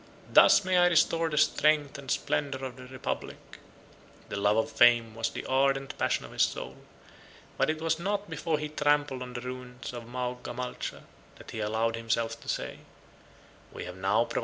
"Thus may I restore the strength and splendor of the republic!" The love of fame was the ardent passion of his soul: but it was not before he trampled on the ruins of Maogamalcha, that he allowed himself to say, "We have now provided some materials for the sophist of Antioch."